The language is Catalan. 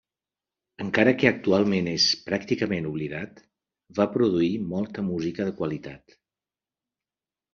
Encara que actualment és pràcticament oblidat, va produir molta música de qualitat.